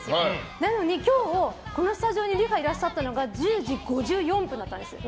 なのに今日、スタジオにリハいらっしゃったのが１０時５４分だったんです。